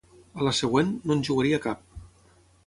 A la següent, no en jugaria cap.